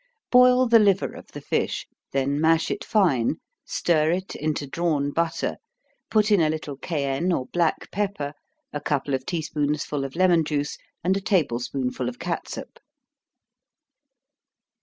_ Boil the liver of the fish then mash it fine, stir it into drawn butter, put in a little cayenne, or black pepper, a couple of tea spoonsful of lemon juice, and a table spoonful of catsup. 52.